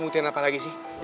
buktian apa lagi sih